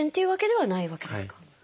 はい。